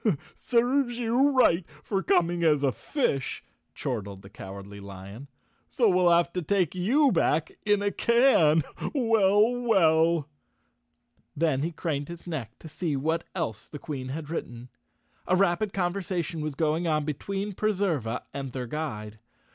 " Serves you right for coming as a fish," chortled the Cowardly Lion. So we'll have to take you back in a can. Well, well!" Then he craned his neck to see what else the Queen 212 _ Chapter Sixteen had written. A rapid conversation was going on between Preserva and their guide.